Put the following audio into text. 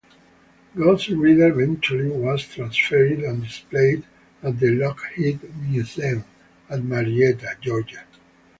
Ghost Rider eventually was transferred and displayed at the Lockheed Museum at Marietta, Georgia.